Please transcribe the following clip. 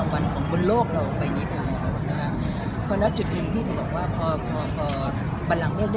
แต่ตอนสิบกันนะทำพี่ไม่ได้ผลิต